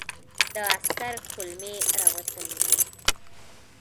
د عسکر کولمې را وتلې وې.